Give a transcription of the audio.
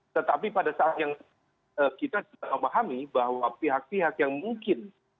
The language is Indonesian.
tetapi pada saat yang kita tidak memahami bahwa pihak pihak yang mungkin